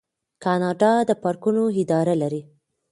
کاناډا د پارکونو اداره لري.